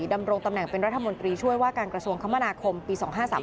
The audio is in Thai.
ดำรงตำแหน่งเป็นรัฐมนตรีช่วยว่าการกระทรวงคมนาคมปี๒๕๓